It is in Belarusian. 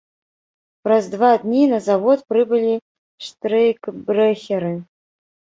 Праз два дні на завод прыбылі штрэйкбрэхеры.